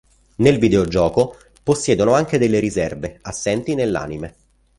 Nel videogioco possiedono anche delle riserve, assenti nell'anime.